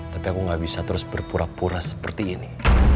tapi aku gak bisa terus berpura pura seperti ini